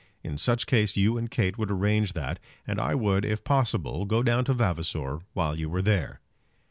In such case you and Kate would arrange that, and I would, if possible, go down to Vavasor while you are there.